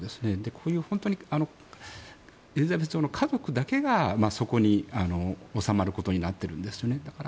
こういう、本当にエリザベス女王の家族だけがそこに納まることになっているんですよね。